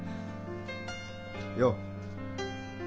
よう！